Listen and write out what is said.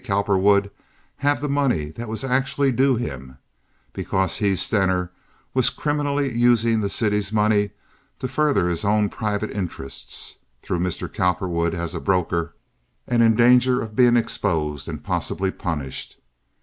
Cowperwood have the money that was actually due him, because he, Stener, was criminally using the city's money to further his own private interests (through Mr. Cowperwood as a broker), and in danger of being exposed and possibly punished.